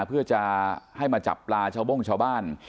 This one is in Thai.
เพื่อจะให้มาจับปลาชาวโบ้งชาวบ้าน